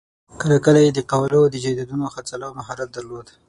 کله کله یې د قوالو او جایدادونو د خرڅلاوو مهارت درلود.